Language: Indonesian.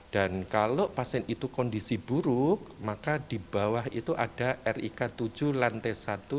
dan kalau pasien itu kondisi buruk maka di bawah itu ada rik tujuh lantai satu